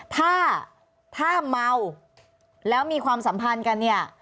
ถ้าถ้าเมาแล้วมีความสัมพันธ์กันเนี่ย